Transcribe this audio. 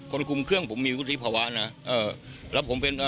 คนคุมเครื่องผมมีวุฒิภาวะนะ